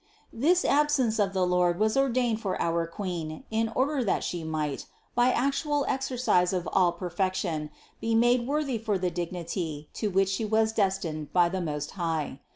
This absence of the Lord was ordained for our Queen in order 550 CITY OF GOD that She might, by actual exercise of all perfection, be made worthy for the dignity to which She was destined by the Most High.